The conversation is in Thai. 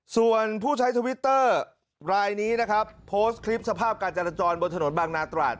ส่วนผู้ใช้ทวิตเตอร์รายนี้นะครับโพสต์คลิปสภาพการจรจรบนถนนบางนาตราด